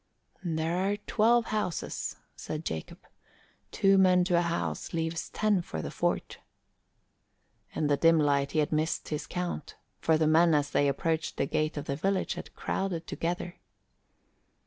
"There are twelve houses," said Jacob. "Two men to a house leaves ten for the fort." In the dim light he had missed his count, for the men as they approached the gate of the village had crowded together.